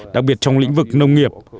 đặc biệt trong lĩnh vực nông nghiệp